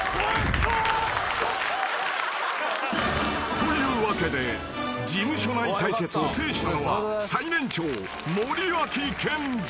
［というわけで事務所内対決を制したのは最年長森脇健児］